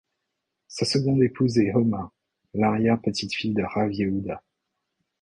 Sa seconde épouse est Homa, l’arrière-petite-fille de Rav Yehouda.